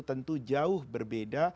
tentu jauh berbeda